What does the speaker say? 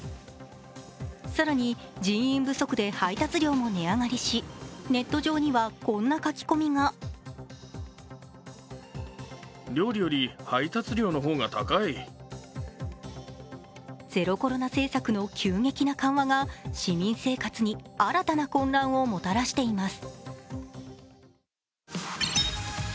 更に人員不足で配達料も値上がりしネット上には、こんな書き込みがゼロコロナ政策の急激な緩和が市民生活に新たな混乱をもたらしています。